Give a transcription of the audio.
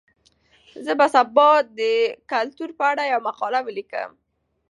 زه به سبا د کلتور په اړه یوه مقاله ولیکم.